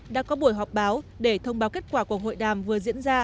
đã có buổi họp báo để thông báo kết quả của hội đàm vừa diễn ra